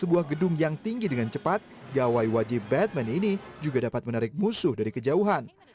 sebuah gedung yang tinggi dengan cepat gawai wajib batman ini juga dapat menarik musuh dari kejauhan